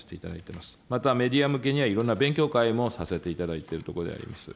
またメディア向けには、いろんな勉強会もさせていただいているところであります。